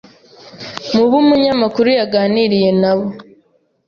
Mubo umunyamakuru yaganiriye nabo